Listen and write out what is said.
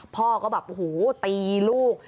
พ่อก็แบบโอ้โหตีลูก